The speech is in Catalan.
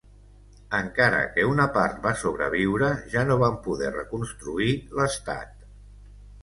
Encara que una part va sobreviure ja no van poder reconstruir l'estat.